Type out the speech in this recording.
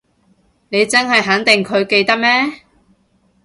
你真係肯定佢記得咩？